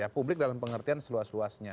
publik dalam pengertian seluas luasnya